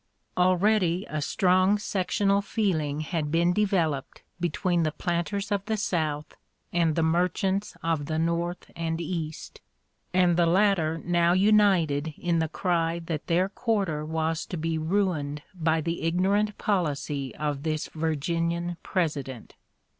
Already a strong sectional feeling had been developed between the planters (p. 053) of the South and the merchants of the North and East, and the latter now united in the cry that their quarter was to be ruined by the ignorant policy of this Virginian President.